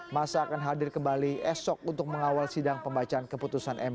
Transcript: masa akan hadir kembali esok untuk mengawal sidang pembacaan keputusan mk